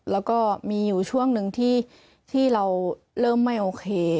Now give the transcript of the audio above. แล้วก็มีอยู่ช่วงหนึ่งที่เราเริ่มไม่โอเค